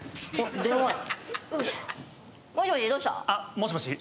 もしもし？